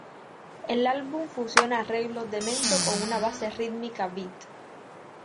El álbum fusiona arreglos de mento con una base rítmica beat.